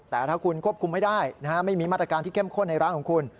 แต่ถ้าคุณควบคุมไม่ได้ไม่มีมาตรการที่เข้มข้นในร้านของคุณ